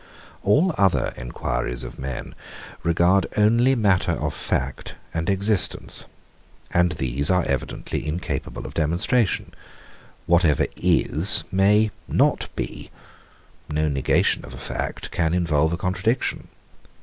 132. All other enquiries of men regard only matter of fact and existence; and these are evidently incapable of demonstration. Whatever is may not be. No negation of a fact can involve a contradiction.